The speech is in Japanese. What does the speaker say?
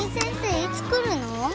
いつ来るの？